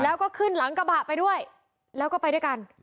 แล้วก็ขึ้นหลังกระบะไปด้วยแล้วก็ไปด้วยกัน